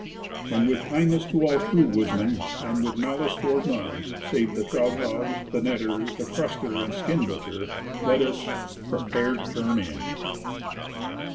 And with kindness to all true woodsmen; and with malice toward none, save the trout hog, the netter, the cruster, and skin butcher, let us PREPARE TO TURN IN.